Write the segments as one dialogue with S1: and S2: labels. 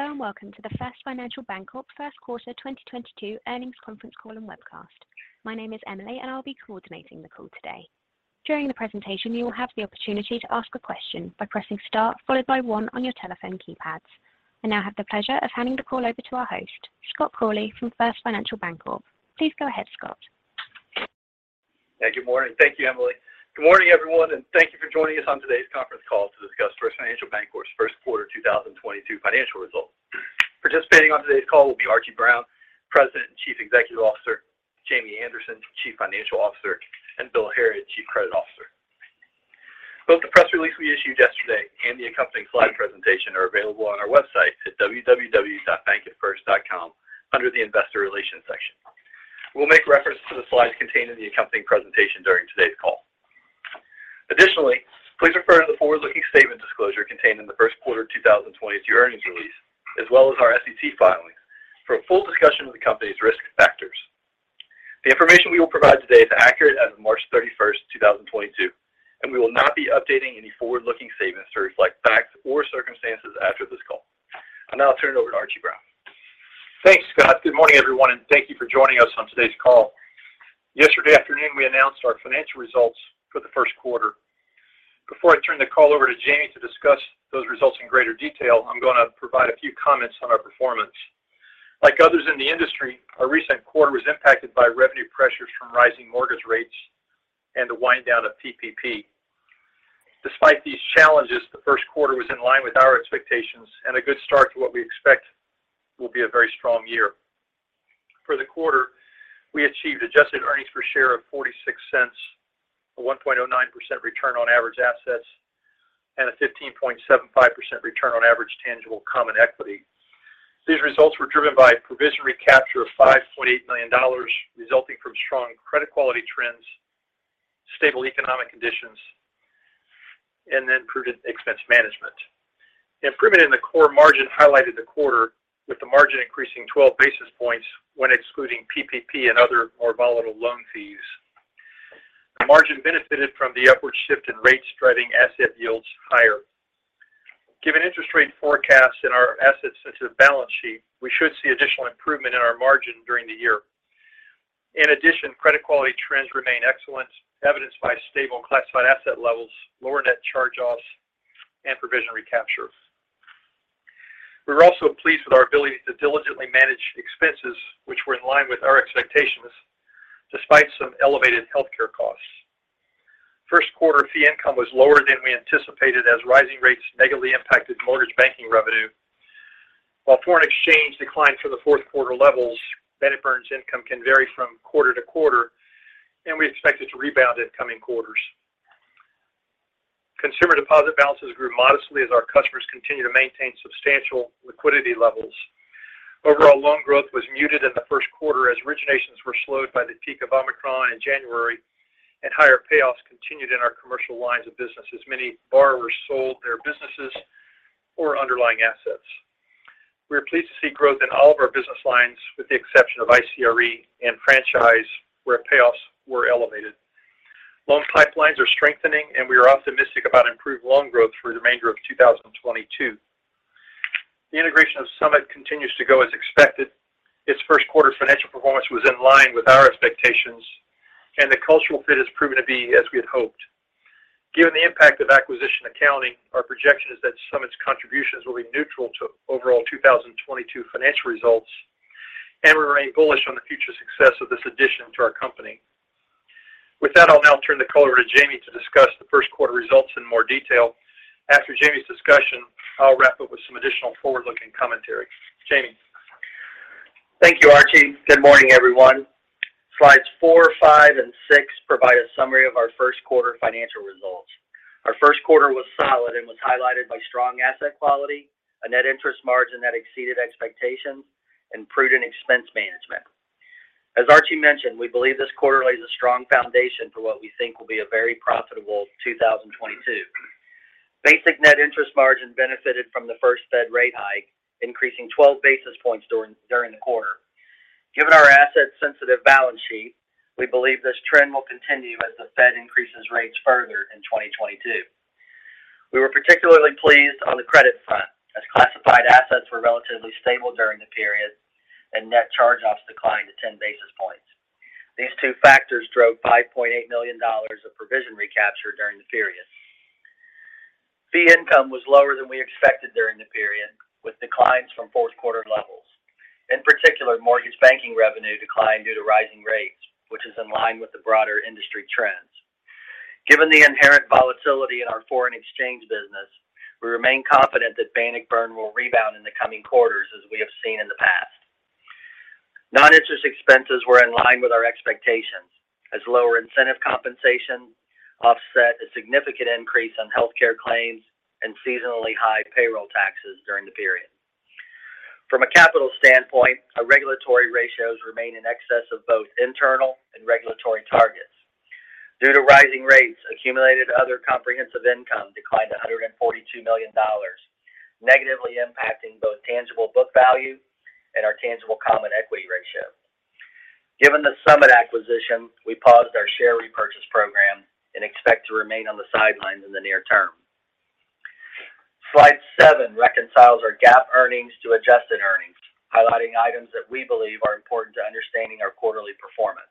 S1: Hello, and welcome to the First Financial Bancorp Q1 2022 Earnings Conference Call and Webcast. My name is Emily, and I'll be coordinating the call today. During the presentation, you will have the opportunity to ask a question by pressing star followed by one on your telephone keypads. I now have the pleasure of handing the call over to our host, Scott Crawley from First Financial Bancorp. Please go ahead, Scott.
S2: Thank you, Emily. Good morning, everyone, and thank you for joining us on today's conference call to discuss First Financial Bancorp.'s Q1 2022 financial results. Participating on today's call will be Archie Brown, President and Chief Executive Officer, Jamie Anderson, Chief Financial Officer, and Bill Harrod, Chief Credit Officer. Both the press release we issued yesterday and the accompanying slide presentation are available on our website at www.bankatfirst.com under the Investor Relations section. We'll make reference to the slides contained in the accompanying presentation during today's call. Additionally, please refer to the forward-looking statement disclosure contained in the Q1 2022 earnings release, as well as our SEC filings for a full discussion of the company's risk factors. The information we will provide today is accurate as of March 31, 2022, and we will not be updating any forward-looking statements to reflect facts or circumstances after this call. I'll now turn it over to Archie Brown.
S3: Thanks, Scott. Good morning, everyone, and thank you for joining us on today's call. Yesterday afternoon, we announced our financial results for the Q1. Before I turn the call over to Jamie to discuss those results in greater detail, I'm going to provide a few comments on our performance. Like others in the industry, our recent quarter was impacted by revenue pressures from rising mortgage rates and the wind down of PPP. Despite these challenges, the Q1 was in line with our expectations and a good start to what we expect will be a very strong year. For the quarter, we achieved adjusted earnings per share of $0.46, a 1.09% return on average assets, and a 15.75% return on average tangible common equity. These results were driven by a provision recapture of $5.8 million resulting from strong credit quality trends, stable economic conditions, and then prudent expense management. Improvement in the core margin highlighted the quarter with the margin increasing 12 basis points when excluding PPP and other more volatile loan fees. The margin benefited from the upward shift in rates driving asset yields higher. Given interest rate forecasts in our asset-sensitive balance sheet, we should see additional improvement in our margin during the year. In addition, credit quality trends remain excellent, evidenced by stable classified asset levels, lower net charge-offs, and provision recapture. We're also pleased with our ability to diligently manage expenses which were in line with our expectations despite some elevated healthcare costs. Q1 fee income was lower than we anticipated as rising rates negatively impacted mortgage banking revenue. While foreign exchange declined from the Q4 levels, Bannockburn's income can vary from quarter to quarter, and we expect it to rebound in coming quarters. Consumer deposit balances grew modestly as our customers continue to maintain substantial liquidity levels. Overall loan growth was muted in the Q1 as originations were slowed by the peak of Omicron in January and higher payoffs continued in our commercial lines of business as many borrowers sold their businesses or underlying assets. We are pleased to see growth in all of our business lines with the exception of ICRE and franchise, where payoffs were elevated. Loan pipelines are strengthening, and we are optimistic about improved loan growth through the remainder of 2022. The integration of Summit continues to go as expected. Its Q1 financial performance was in line with our expectations, and the cultural fit has proven to be as we had hoped. Given the impact of acquisition accounting, our projection is that Summit's contributions will be neutral to overall 2022 financial results, and we remain bullish on the future success of this addition to our company. With that, I'll now turn the call over to Jamie to discuss the Q1 results in more detail. After Jamie's discussion, I'll wrap up with some additional forward-looking commentary. Jamie?
S4: Thank you, Archie. Good morning, everyone. Slides four, five, and six provide a summary of our Q1 financial results. Our Q1 was solid and was highlighted by strong asset quality, a net interest margin that exceeded expectations, and prudent expense management. As Archie mentioned, we believe this quarter lays a strong foundation for what we think will be a very profitable 2022. Net interest margin benefited from the first Fed rate hike, increasing 12 basis points during the quarter. Given our asset-sensitive balance sheet, we believe this trend will continue as the Fed increases rates further in 2022. We were particularly pleased on the credit front as classified assets were relatively stable during the period and net charge-offs declined to 10 basis points. These two factors drove $5.8 million of provision recapture during the period. Fee income was lower than we expected during the period, with declines from Q4 levels. In particular, mortgage banking revenue declined due to rising rates, which is in line with the broader industry trends. Given the inherent volatility in our foreign exchange business, we remain confident that Bannockburn will rebound in the coming quarters as we have seen in the past. Non-interest expenses were in line with our expectations as lower incentive compensation offset a significant increase on healthcare claims and seasonally high payroll taxes during the period. From a capital standpoint, our regulatory ratios remain in excess of both internal and regulatory targets. Due to rising rates, accumulated other comprehensive income declined $142 million, negatively impacting both tangible book value and our tangible common equity ratio. Given the Summit acquisition, we paused our share repurchase program and expect to remain on the sidelines in the near term. Slide seven reconciles our GAAP earnings to adjusted earnings, highlighting items that we believe are important to understanding our quarterly performance.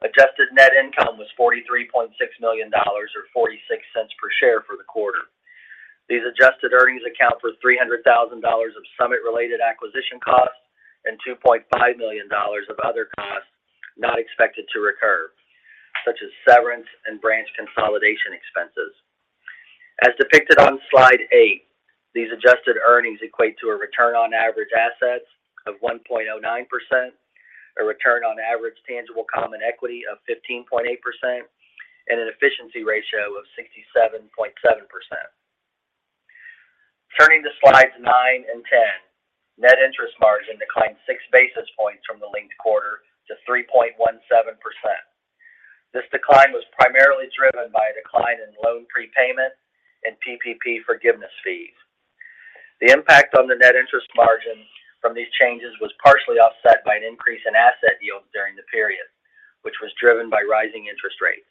S4: Adjusted net income was $43.6 million, or $0.46 per share for the quarter. These adjusted earnings account for $300,000 of Summit-related acquisition costs and $2.5 million of other costs not expected to recur, such as severance and branch consolidation expenses. As depicted on slide 8, these adjusted earnings equate to a return on average assets of 1.09%, a return on average tangible common equity of 15.8%, and an efficiency ratio of 67.7%. Turning to slides 9 and 10, net interest margin declined six basis points from the linked quarter to 3.17%. This decline was primarily driven by a decline in loan prepayment and PPP forgiveness fees. The impact on the net interest margin from these changes was partially offset by an increase in asset yields during the period, which was driven by rising interest rates.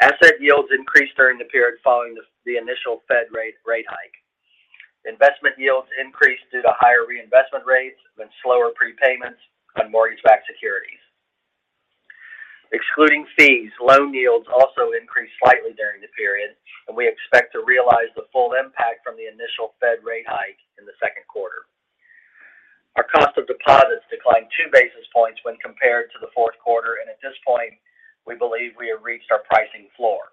S4: Asset yields increased during the period following the initial Fed rate hike. Investment yields increased due to higher reinvestment rates and slower prepayments on mortgage-backed securities. Excluding fees, loan yields also increased slightly during the period, and we expect to realize the full impact from the initial Fed rate hike in the Q2. Our cost of deposits declined two basis points when compared to the Q4, and at this point, we believe we have reached our pricing floor.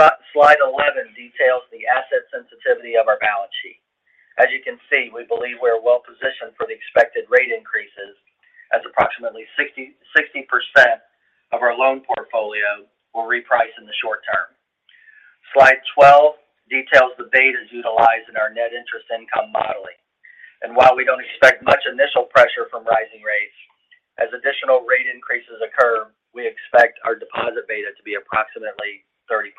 S4: Slide 11 details the asset sensitivity of our balance sheet. As you can see, we believe we are well positioned for the expected rate increases as approximately 60% of our loan portfolio will reprice in the short term. Slide 12 details the betas utilized in our net interest income modeling. While we don't expect much initial pressure from rising rates, as additional rate increases occur, we expect our deposit beta to be approximately 30%.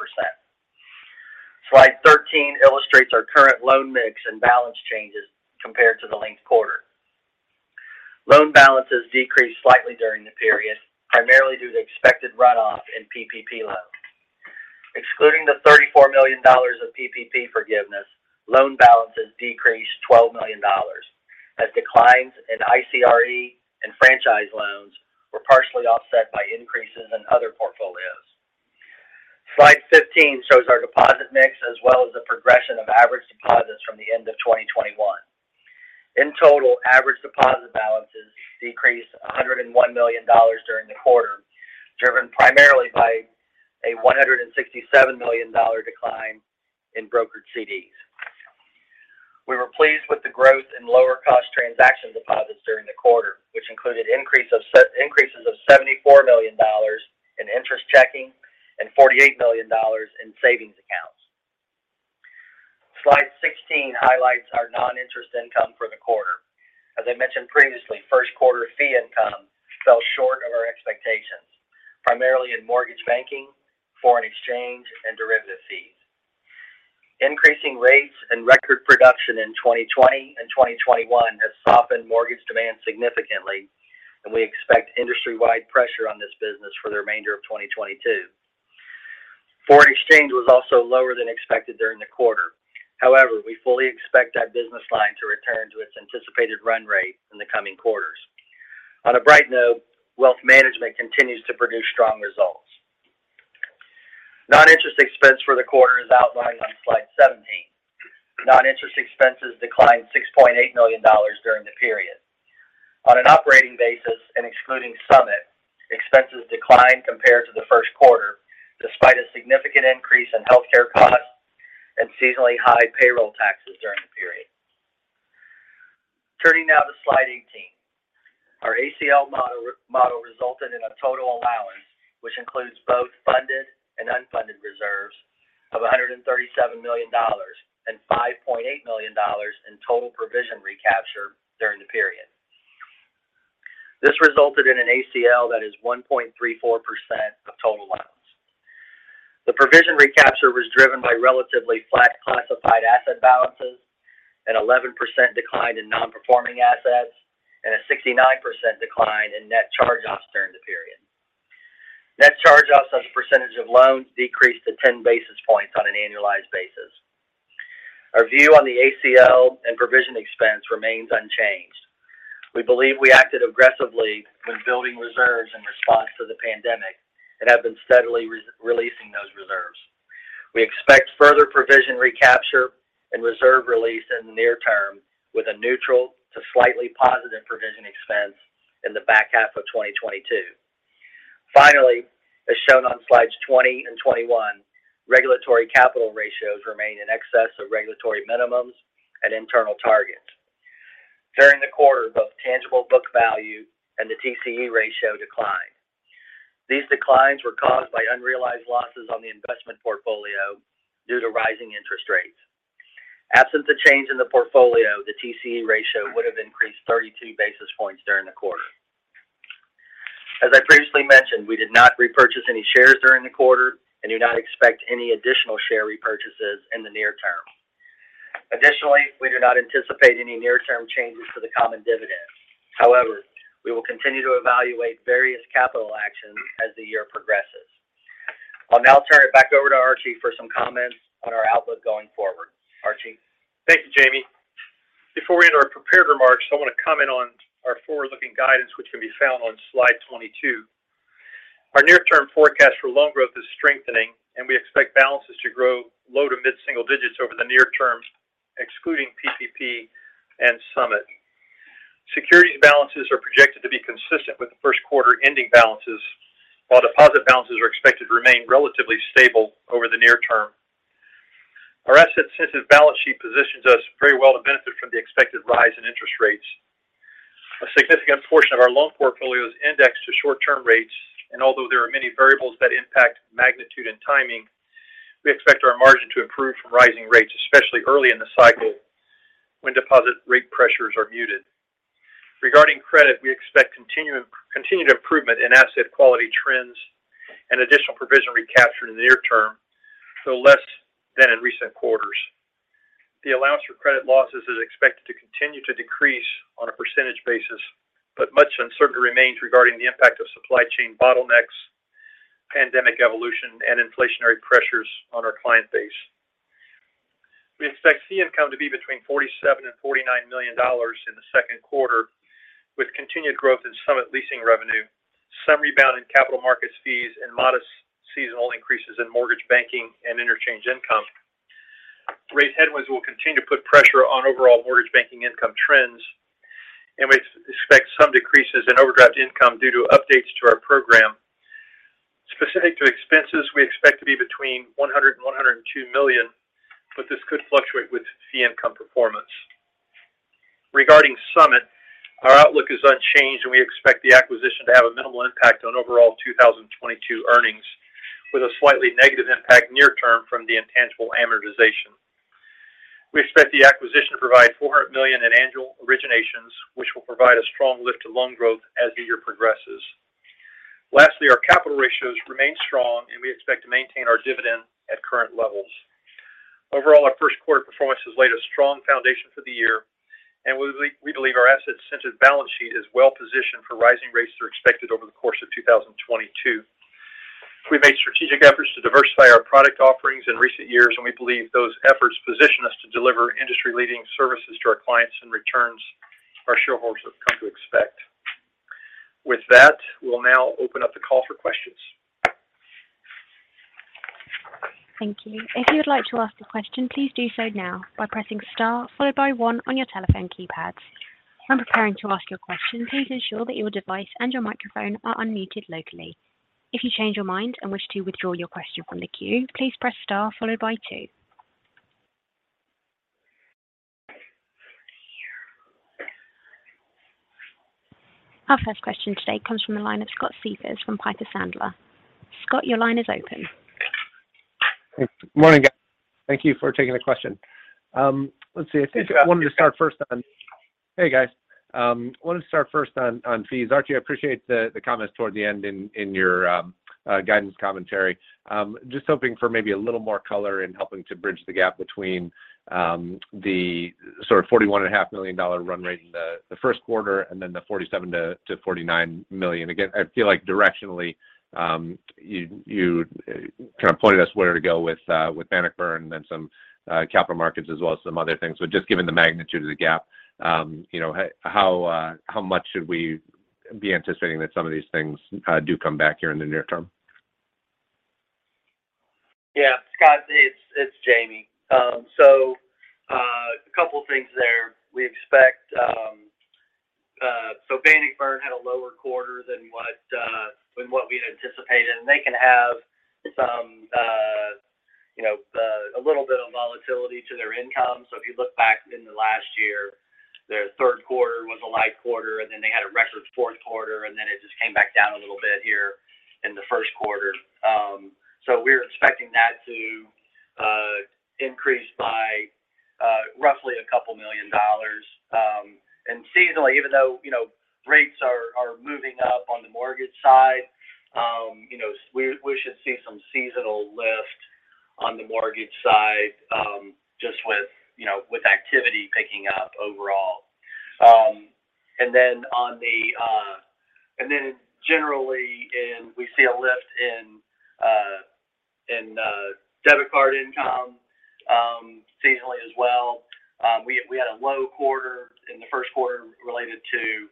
S4: Slide 13 illustrates our current loan mix and balance changes compared to the linked quarter. Loan balances decreased slightly during the period, primarily due to expected runoff in PPP loans. Excluding the $34 million of PPP forgiveness, loan balances decreased $12 million as declines in ICRE and franchise loans were partially offset by increases in other portfolios. Slide 15 shows our deposit mix as well as the progression of average deposits from the end of 2021. In total, average deposit balances decreased $101 million during the quarter, driven primarily by a $167 million decline in brokered CDs. We were pleased with the growth in lower cost transaction deposits during the quarter, which included increases of $74 million in interest checking and $48 million in savings accounts. Slide 16 highlights our non-interest income for the quarter. As I mentioned previously, Q1 fee income fell short of our expectations, primarily in mortgage banking, foreign exchange, and derivative fees. Increasing rates and record production in 2020 and 2021 has softened mortgage demand significantly, and we expect industry-wide pressure on this business for the remainder of 2022. Foreign exchange was also lower than expected during the quarter. However, we fully expect that business line to return to its anticipated run rate in the coming quarters. On a bright note, wealth management continues to produce strong results. Non-interest expense for the quarter is outlined on slide 17. Non-interest expenses declined $6.8 million during the period. On an operating basis and excluding Summit, expenses declined compared to the Q1, despite a significant increase in healthcare costs and seasonally high payroll taxes during the period. Turning now to slide 18. Our ACL model resulted in a total allowance, which includes both funded and unfunded reserves of $137 million and $5.8 million in total provision recapture during the period. This resulted in an ACL that is 1.34% of total allowance. The provision recapture was driven by relatively flat classified asset balances, an 11% decline in non-performing assets, and a 69% decline in net charge-offs during the period. Net charge-offs as a percentage of loans decreased to 10 basis points on an annualized basis. Our view on the ACL and provision expense remains unchanged. We believe we acted aggressively when building reserves in response to the pandemic and have been steadily re-releasing those reserves. We expect further provision recapture and reserve release in the near term with a neutral to slightly positive provision expense in the back half of 2022. Finally, as shown on slides 20 and 21, regulatory capital ratios remain in excess of regulatory minimums and internal targets. During the quarter, both tangible book value and the TCE ratio declined. These declines were caused by unrealized losses on the investment portfolio due to rising interest rates. Absent the change in the portfolio, the TCE ratio would have increased 32 basis points during the quarter. As I previously mentioned, we did not repurchase any shares during the quarter and do not expect any additional share repurchases in the near term. Additionally, we do not anticipate any near-term changes to the common dividend. However, we will continue to evaluate various capital actions as the year progresses. I'll now turn it back over to Archie for some comments on our outlook going forward. Archie.
S3: Thank you, Jamie. Before we enter our prepared remarks, I want to comment on our forward-looking guidance, which can be found on slide 22. Our near-term forecast for loan growth is strengthening, and we expect balances to grow low- to mid-single digits over the near term, excluding PPP and Summit. Securities balances are projected to be consistent with the Q1 ending balances, while deposit balances are expected to remain relatively stable over the near term. Our asset-sensitive balance sheet positions us very well to benefit from the expected rise in interest rates. A significant portion of our loan portfolio is indexed to short-term rates, and although there are many variables that impact magnitude and timing, we expect our margin to improve from rising rates, especially early in the cycle when deposit rate pressures are muted. Regarding credit, we expect continued improvement in asset quality trends and additional provision recapture in the near term, though less than in recent quarters. The allowance for credit losses is expected to continue to decrease on a percentage basis, but much uncertainty remains regarding the impact of supply chain bottlenecks, pandemic evolution, and inflationary pressures on our client base. We expect fee income to be between $47 million and $49 million in the Q2, with continued growth in Summit leasing revenue, some rebound in capital markets fees, and modest seasonal increases in mortgage banking and interchange income. Rate headwinds will continue to put pressure on overall mortgage banking income trends, and we expect some decreases in overdraft income due to updates to our program. Specific to expenses, we expect to be between $101 million and $102 million, but this could fluctuate with fee income performance. Regarding Summit, our outlook is unchanged, and we expect the acquisition to have a minimal impact on overall 2022 earnings, with a slightly negative impact near term from the intangible amortization. We expect the acquisition to provide $400 million in annual originations, which will provide a strong lift to loan growth as the year progresses. Lastly, our capital ratios remain strong, and we expect to maintain our dividend at current levels. Overall, our Q1 performance has laid a strong foundation for the year, and we believe our asset-sensitive balance sheet is well positioned for rising rates that are expected over the course of 2022. We've made strategic efforts to diversify our product offerings in recent years, and we believe those efforts position us to deliver industry-leading services to our clients and returns our shareholders have come to expect. With that, we'll now open up the call for questions.
S1: Thank you. If you would like to ask a question, please do so now by pressing star followed by one on your telephone keypad. When preparing to ask your question, please ensure that your device and your microphone are unmuted locally. If you change your mind and wish to withdraw your question from the queue, please press star followed by two. Our first question today comes from the line of Scott Siefers from Piper Sandler. Scott, your line is open.
S5: Thanks. Morning, guys. Thank you for taking the question. Let's see. I think I wanted to start first on—hey, guys. Wanted to start first on fees. Archie, I appreciate the comments toward the end in your guidance commentary. Just hoping for maybe a little more color in helping to bridge the gap between the sort of $41.5 million run rate in the Q1 and then the $47 million-$49 million. Again, I feel like directionally, you kind of pointed us where to go with Bannockburn and then some capital markets as well as some other things. Just given the magnitude of the gap, you know, how much should we be anticipating that some of these things do come back here in the near term?
S4: Yeah. Scott, it's Jamie. A couple of things there. We expect, so Bannockburn had a lower quarter than what we'd anticipated, and they can have some, you know, a little bit of volatility to their income. If you look back in the last year, their Q3 was a light quarter, and then they had a record Q4, and then it just came back down a little bit here in the Q1. We're expecting that to increase by roughly $2 million. Seasonally, even though, you know, rates are moving up on the mortgage side, you know, we should see some seasonal lift on the mortgage side, just with, you know, with activity picking up overall. We see a lift in debit card income seasonally as well. We had a low quarter in the Q1 related to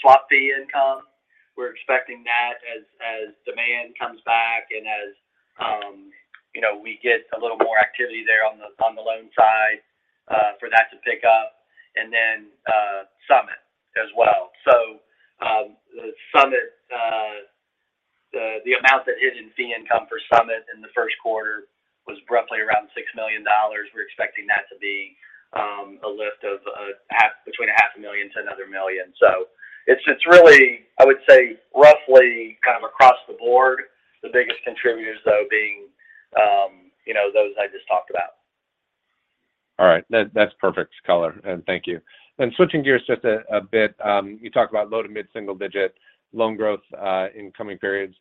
S4: swap fee income. We're expecting that as demand comes back and as you know, we get a little more activity there on the loan side for that to pick up and then Summit as well. Summit, the amount that is in fee income for Summit in the Q1 was roughly around $6 million. We're expecting that to be a lift of between half a million dollars to another $1 million. It's really, I would say, roughly kind of across the board. The biggest contributors, though, being you know, those I just talked about.
S5: All right. That's perfect color. Thank you. Switching gears just a bit, you talked about low- to mid-single-digit loan growth in coming periods.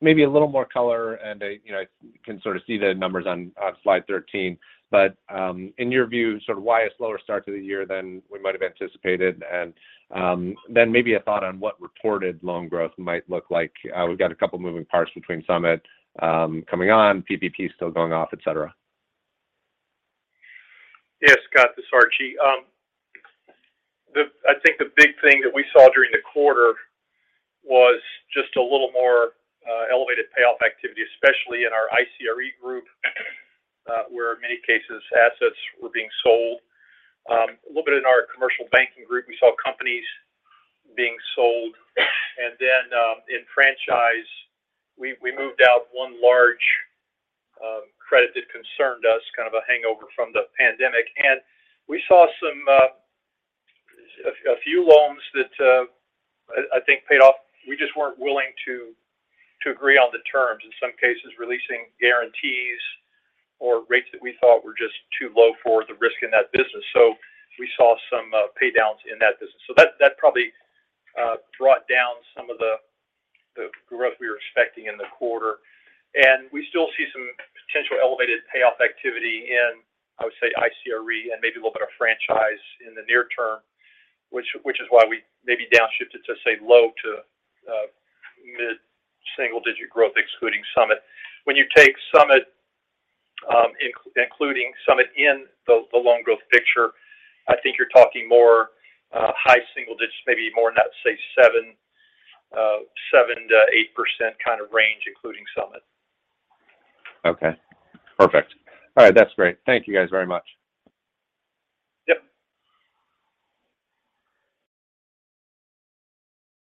S5: Maybe a little more color. You can sort of see the numbers on slide 13. In your view, sort of why a slower start to the year than we might have anticipated? Then maybe a thought on what reported loan growth might look like. We've got a couple moving parts between Summit coming on, PPP still going off, et cetera.
S3: Scott, this is Archie. I think the big thing that we saw during the quarter was just a little more elevated payoff activity, especially in our ICRE group, where in many cases assets were being sold. A little bit in our commercial banking group, we saw companies being sold. In franchise, we moved out one large credit that concerned us, kind of a hangover from the pandemic. We saw a few loans that I think paid off. We just weren't willing to agree on the terms, in some cases releasing guarantees or rates that we thought were just too low for the risk in that business. We saw some pay downs in that business. That probably brought down some of the growth we were expecting in the quarter. We still see some potential elevated payoff activity in, I would say, ICRE and maybe a little bit of franchise in the near term, which is why we maybe downshifted to say low- to mid-single-digit growth excluding Summit. When you take Summit, including Summit in the loan growth picture, I think you're talking more high single digits, maybe more in that, say, 7%-8% kind of range, including Summit.
S5: Okay. Perfect. All right. That's great. Thank you guys very much.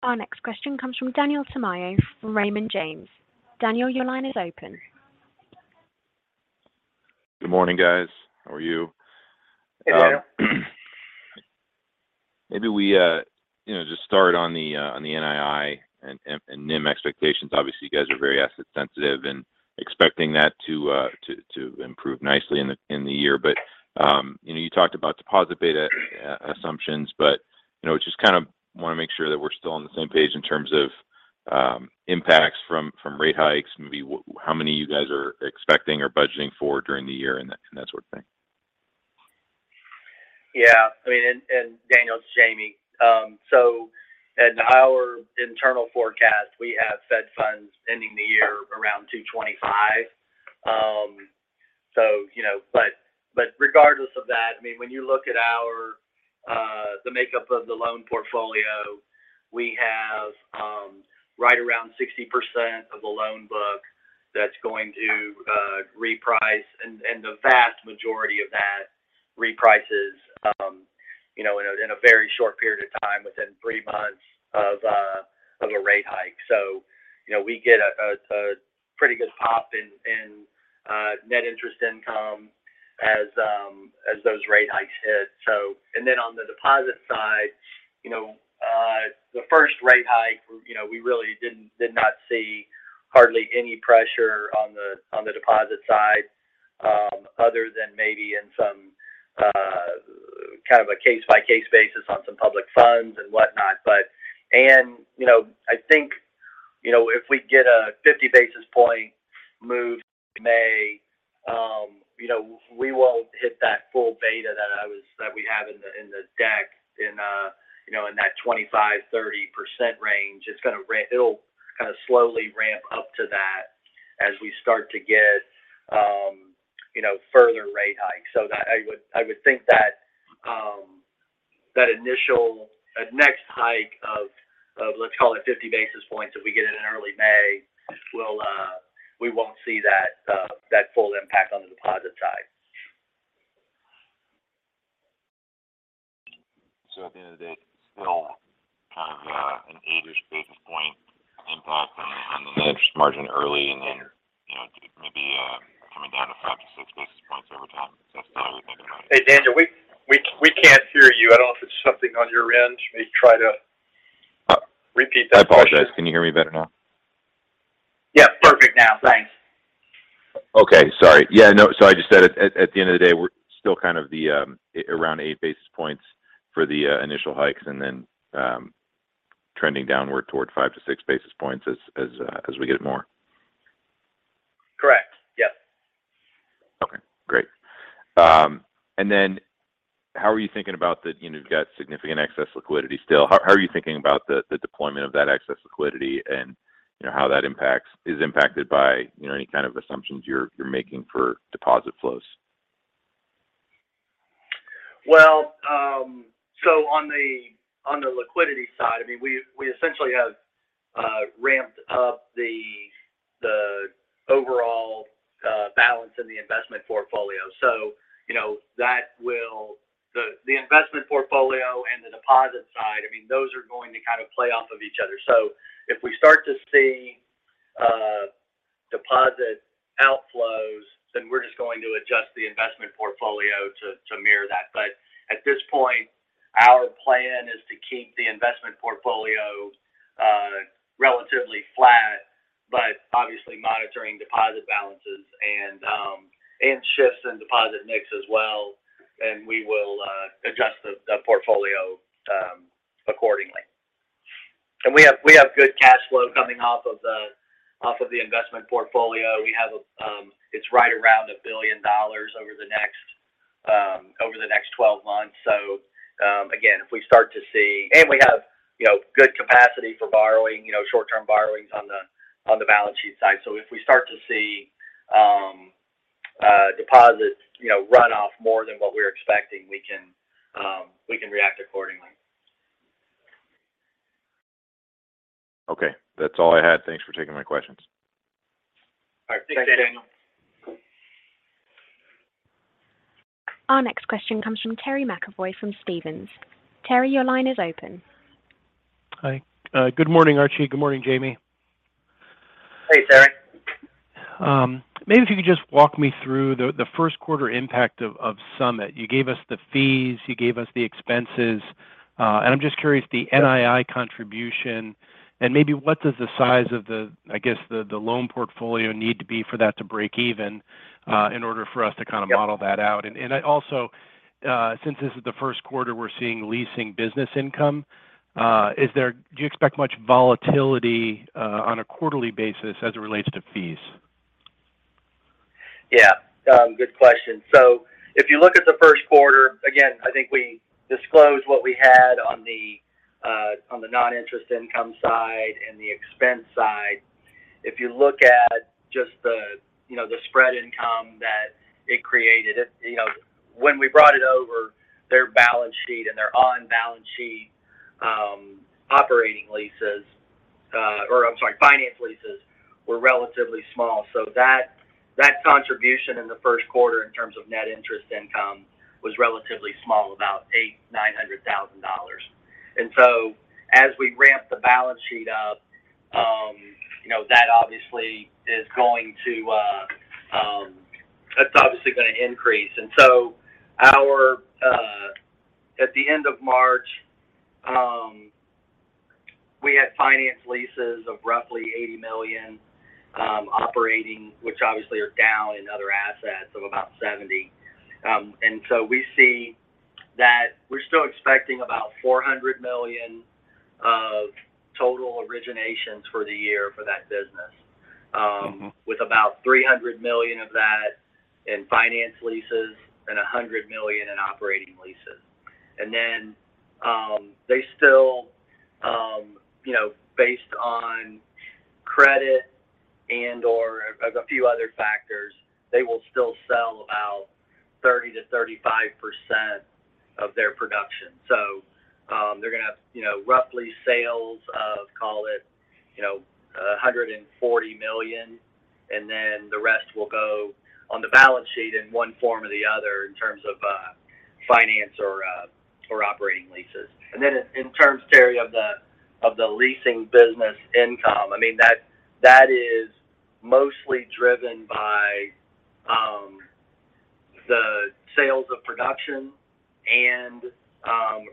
S3: Yep.
S1: Our next question comes from Daniel Tamayo from Raymond James. Daniel, your line is open.
S6: Good morning, guys. How are you?
S3: Hey, Daniel.
S6: Maybe we, you know, just start on the NII and NIM expectations. Obviously, you guys are very asset sensitive and expecting that to improve nicely in the year. You know, you talked about deposit beta assumptions, but, you know, just kind of wanna make sure that we're still on the same page in terms of impacts from rate hikes, maybe how many you guys are expecting or budgeting for during the year and that sort of thing.
S4: Yeah. I mean, Daniel, this is Jamie. In our internal forecast, we have Fed funds ending the year around 2.25%. Regardless of that, I mean, when you look at our the makeup of the loan portfolio, we have right around 60% of the loan book that's going to reprice. The vast majority of that reprices, you know, in a very short period of time, within three months of a rate hike. You know, we get a pretty good pop in net interest income as those rate hikes hit. Then on the deposit side, you know, the first rate hike, you know, we really did not see hardly any pressure on the deposit side, other than maybe in some kind of a case-by-case basis on some public funds and whatnot. You know, I think, you know, if we get a 50 basis point move in May, you know, we won't hit that full beta that we have in the deck in, you know, in that 25%-30% range. It'll kind of slowly ramp up to that as we start to get, you know, further rate hikes. I would think that next hike of 50 basis points if we get it in early May will, we won't see that full impact on the deposit side.
S6: At the end of the day, it's still kind of an 8-ish basis point impact on the net interest margin early and then, you know, maybe coming down to 5 basis points-6 basis points over time. Is that what you're thinking about?
S3: Hey, Daniel, we can't hear you. I don't know if it's something on your end. Maybe try to repeat that question.
S6: I apologize. Can you hear me better now?
S4: Yeah. Perfect now. Thanks.
S6: I just said at the end of the day, we're still kind of around eight basis points for the initial hikes and then trending downward toward 5 basis points to 6 basis points as we get more.
S4: Correct. Yep.
S6: Okay. Great. How are you thinking about the you know, you've got significant excess liquidity still. How are you thinking about the deployment of that excess liquidity and, you know, how that is impacted by, you know, any kind of assumptions you're making for deposit flows?
S4: On the liquidity side, I mean, we essentially have ramped up the overall balance in the investment portfolio. The investment portfolio and the deposit side, I mean, those are going to kind of play off of each other. If we start to see deposit outflows, then we're just going to adjust the investment portfolio to mirror that. But at this point, our plan is to keep the investment portfolio relatively flat, but obviously monitoring deposit balances and shifts in deposit mix as well, and we will adjust the portfolio accordingly. We have good cash flow coming off of the investment portfolio. It's right around $1 billion over the next 12 months. Again, if we start to see and we have, you know, good capacity for borrowing, you know, short-term borrowings on the balance sheet side. If we start to see deposits, you know, run off more than what we're expecting, we can react accordingly.
S6: Okay. That's all I had. Thanks for taking my questions.
S4: All right. Thanks, Daniel.
S1: Our next question comes from Terry McEvoy from Stephens. Terry, your line is open.
S7: Hi. Good morning, Archie. Good morning, Jamie.
S4: Hey, Terry.
S7: Maybe if you could just walk me through the Q1 impact of Summit. You gave us the fees, you gave us the expenses, and I'm just curious the NII contribution and maybe what does the size of the loan portfolio need to be for that to break even, in order for us to kind of model that out.
S4: Yep.
S7: Since this is the Q1 we're seeing leasing business income, do you expect much volatility on a quarterly basis as it relates to fees?
S4: Yeah. Good question. If you look at the Q1, again, I think we disclosed what we had on the non-interest income side and the expense side. If you look at just the, you know, the spread income that it created, you know, when we brought it over their balance sheet and their on-balance sheet, operating leases, or I'm sorry, finance leases were relatively small. That contribution in the Q1 in terms of net interest income was relatively small, about $800,000-$900,000. As we ramp the balance sheet up, you know, that obviously is going to increase. It's obviously gonna increase. At the end of March, we had finance leases of roughly $80 million, operating, which obviously are down in other assets of about $70 million. We see that we're still expecting about $400 million of total originations for the year for that business. With about $300 million of that in finance leases and $100 million in operating leases. They still, you know, based on credit and/or a few other factors, they will still sell about 30%-35% of their production. They're gonna have, you know, roughly sales of, call it, you know, $140 million, and then the rest will go on the balance sheet in one form or the other in terms of finance or operating leases. In terms, Terry, of the leasing business income, I mean, that is mostly driven by the sales of production and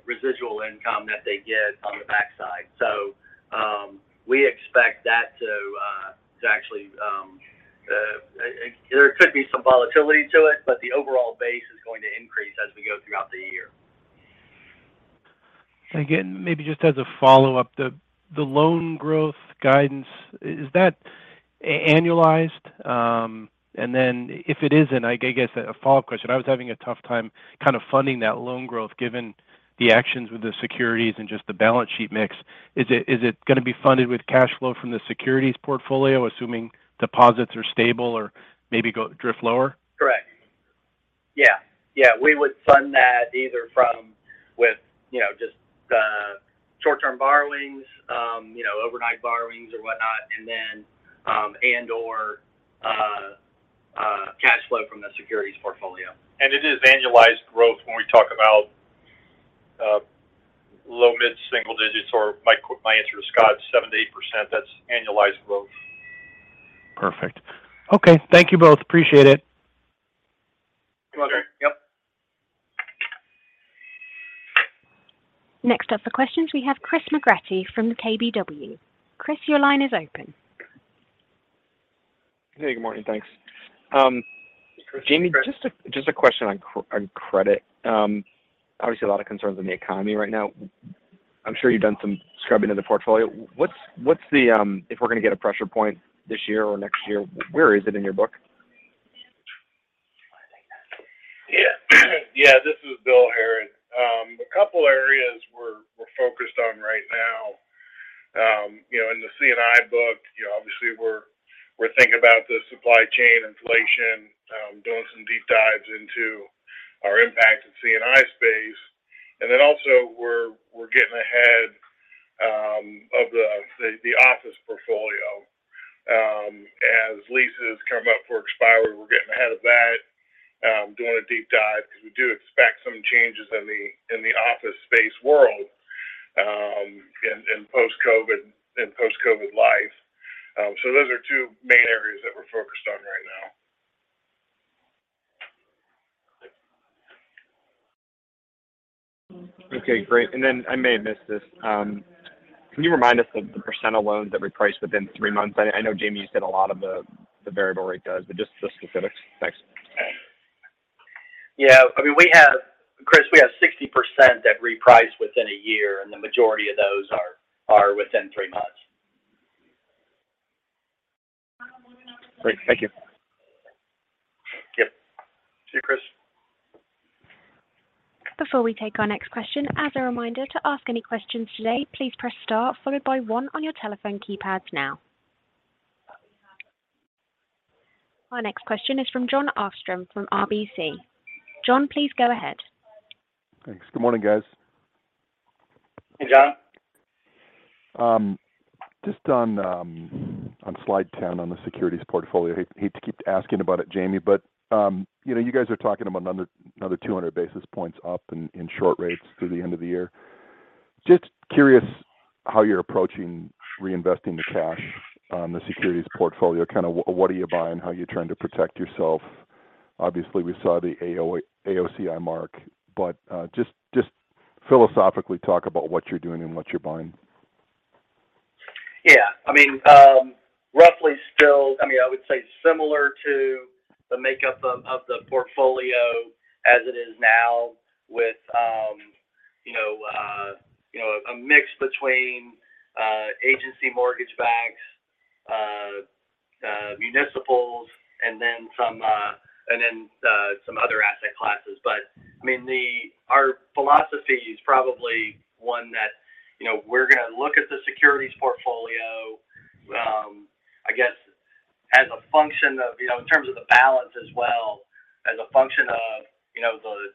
S4: residual income that they get on the backside. We expect that there could be some volatility to it, but the overall base is going to increase as we go throughout the year.
S7: Again, maybe just as a follow-up. The loan growth guidance, is that annualized? If it isn't, I guess a follow-up question, I was having a tough time kind of funding that loan growth given the actions with the securities and just the balance sheet mix. Is it gonna be funded with cash flow from the securities portfolio, assuming deposits are stable or maybe drift lower?
S4: Correct. Yeah. We would fund that either with, you know, just the short-term borrowings, you know, overnight borrowings or whatnot, and/or cash flow from the securities portfolio.
S3: It is annualized growth when we talk about low mid-single digits, or my answer to Scott, 7%-8%. That's annualized growth.
S7: Perfect. Okay. Thank you both. Appreciate it.
S4: You're welcome.
S1: Sure. Yep. Next up for questions, we have Chris McGratty from KBW. Chris, your line is open.
S8: Hey, good morning. Thanks.
S4: Chris McGratty.
S8: Jamie, just a question on credit. Obviously a lot of concerns in the economy right now. I'm sure you've done some scrubbing of the portfolio. If we're gonna get a pressure point this year or next year, where is it in your book?
S9: Yeah. This is Bill Harrod. A couple areas we're focused on right now, you know, in the C&I book, you know, obviously we're thinking about the supply chain inflation, doing some deep dives into our impact in C&I space. And then also we're getting ahead of the office portfolio. As leases come up for expiry, we're getting ahead of that, doing a deep dive because we do expect some changes in the office space world, in post-COVID life. Those are two main areas that we're focused on right now.
S8: Okay, great. I may have missed this. Can you remind us of the % of loans that reprice within three months? I know Jamie, you said a lot of the variable rate does, but just the specific specs.
S3: Yeah. I mean, we have Chris, we have 60% that reprice within a year, and the majority of those are within three months.
S8: Great. Thank you.
S3: Yep. See you, Chris.
S1: Before we take our next question, as a reminder, to ask any questions today, please press star followed by one on your telephone keypads now. Our next question is from Jon Arfstrom from RBC. Jon, please go ahead.
S10: Thanks. Good morning, guys.
S3: Hey, Jon.
S10: Just on slide 10 on the securities portfolio. I hate to keep asking about it, Jamie, but you know, you guys are talking about another 200 basis points up in short rates through the end of the year. Just curious how you're approaching reinvesting the cash on the securities portfolio. Kinda what are you buying, how are you trying to protect yourself? Obviously, we saw the AOCI mark. But just philosophically talk about what you're doing and what you're buying.
S4: Yeah. I mean, roughly still, I mean, I would say similar to the makeup of the portfolio as it is now with you know a mix between agency mortgage-backed securities, municipals and then some other asset classes. I mean, our philosophy is probably one that you know we're gonna look at the securities portfolio I guess as a function of the balance as well as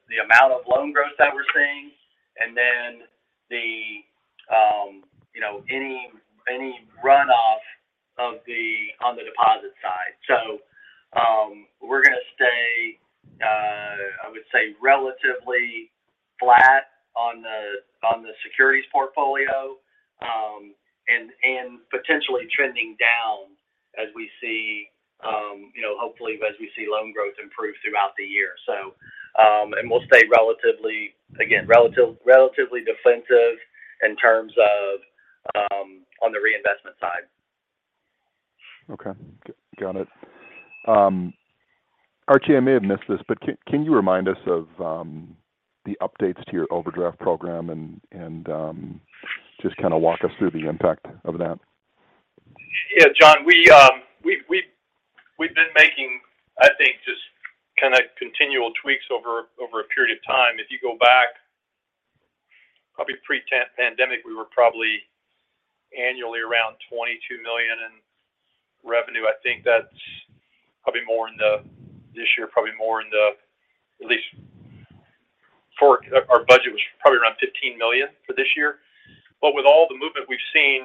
S4: the amount of loan growth that we're seeing and then you know any runoff on the deposit side.
S3: We're gonna stay, I would say, relatively flat on the securities portfolio, and potentially trending down as we see, you know, hopefully as we see loan growth improve throughout the year. We'll stay relatively, again, relatively defensive in terms of on the reinvestment side.
S10: Okay. Got it. Archie, I may have missed this, but can you remind us of the updates to your overdraft program and just kinda walk us through the impact of that?
S3: Yeah. John, we've been making, I think, just kinda continual tweaks over a period of time. If you go back probably pre-pandemic, we were probably annually around $22 million in revenue. I think that's probably more this year. Our budget was probably around $15 million for this year. With all the movement we've seen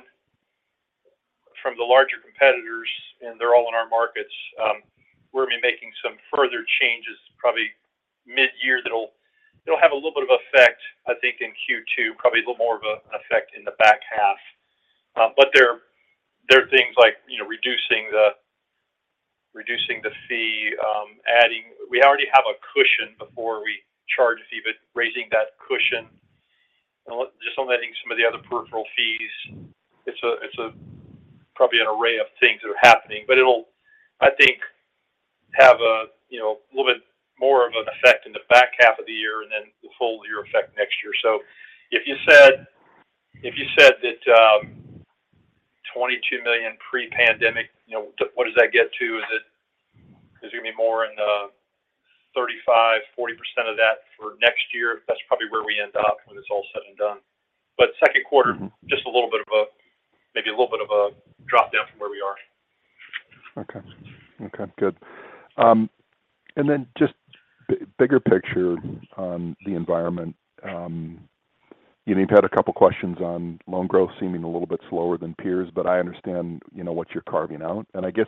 S3: from the larger competitors, and they're all in our markets, we're gonna be making some further changes probably midyear that'll have a little bit of effect, I think, in Q2, probably a little more of an effect in the back half. There are things like, you know, reducing the fee. We already have a cushion before we charge a fee, but raising that cushion. Just eliminating some of the other peripheral fees. It's probably an array of things that are happening. It'll, I think, have a little bit more of an effect in the back half of the year and then the full year effect next year. If you said that $22 million pre-pandemic, you know, what does that get to? Is it gonna be more in the 35%-40% of that for next year? That's probably where we end up when it's all said and done. Q2. Maybe a little bit of a drop down from where we are.
S10: Okay, good. Just bigger picture on the environment. You know, you've had a couple questions on loan growth seeming a little bit slower than peers, but I understand, you know, what you're carving out. I guess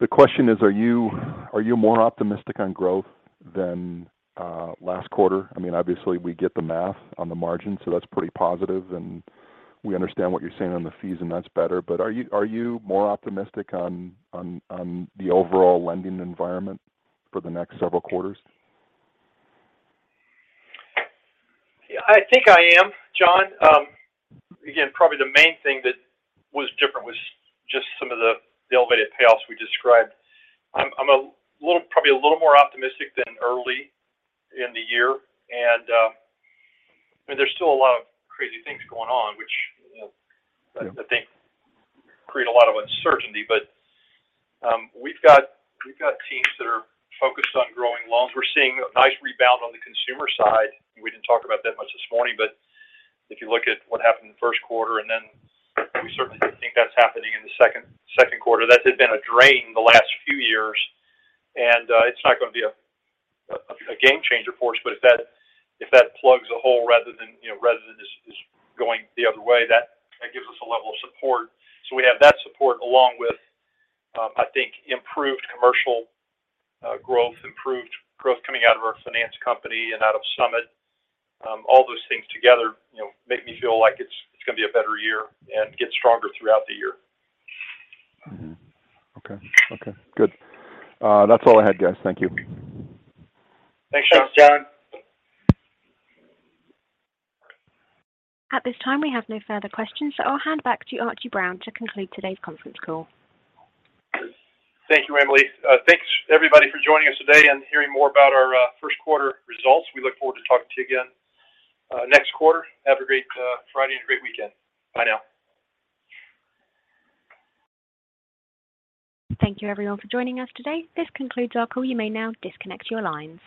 S10: the question is, are you more optimistic on growth than last quarter? I mean, obviously we get the math on the margin, so that's pretty positive and we understand what you're saying on the fees and that's better. Are you more optimistic on the overall lending environment for the next several quarters?
S3: Yeah. I think I am, Jon. Again, probably the main thing that was different was just some of the elevated payoffs we described. I'm probably a little more optimistic than early in the year, I mean, there's still a lot of crazy things going on, which, you know, I think create a lot of uncertainty. We've got teams that are focused on growing loans. We're seeing a nice rebound on the consumer side. We didn't talk about that much this morning, but if you look at what happened in the Q1 and then we certainly didn't think that's happening in the Q2. That had been a drain the last few years, and it's not gonna be a game changer for us, but if that plugs a hole rather than, you know, rather than just going the other way, that gives us a level of support. We have that support along with, I think improved commercial growth, improved growth coming out of our finance company and out of Summit. All those things together, you know, make me feel like it's gonna be a better year and get stronger throughout the year.
S10: Okay, good. That's all I had, guys. Thank you.
S3: Thanks, Jon.
S1: At this time, we have no further questions, so I'll hand back to Archie Brown to conclude today's conference call.
S3: Thank you, Emily. Thanks everybody for joining us today and hearing more about our Q1 results. We look forward to talking to you again next quarter. Have a great Friday and a great weekend. Bye now.
S1: Thank you everyone for joining us today. This concludes our call. You may now disconnect your lines.